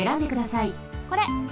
これ。